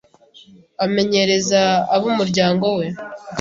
amenyereza ab’umuryango we.